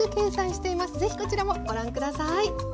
是非こちらもご覧下さい。